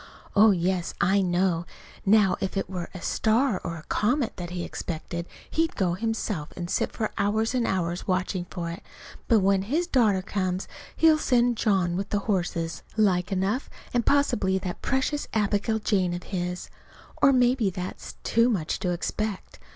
"Oh, yes, I know! Now if it were a star or a comet that he expected, he'd go himself and sit for hours and hours watching for it. But when his daughter comes, he'll send John with the horses, like enough, and possibly that precious Abigail Jane of his. Or, maybe that is too much to expect.